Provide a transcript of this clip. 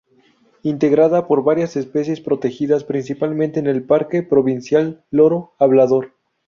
Integrada por varias especies protegidas, principalmente en el Parque Provincial Loro Hablador.